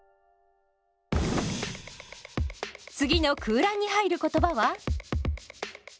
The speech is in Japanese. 次の空欄に入る言葉は？